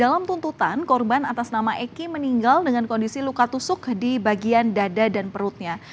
dalam tuntutan korban atas nama eki meninggal dengan kondisi luka tusuk di bagian dada dan perutnya